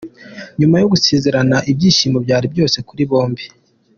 Nyuma yo gusezerana ibyishimo byari byose kuri bombi.